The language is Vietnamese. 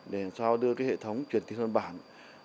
để làm sao đưa hệ thống truyền kinh doanh bản